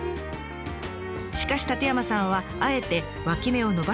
しかし舘山さんはあえて脇芽を伸ばしてみました。